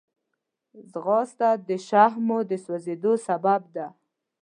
ځغاسته د شحمو د سوځېدو سبب ده